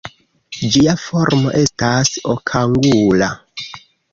Ĝia formo estas okangula.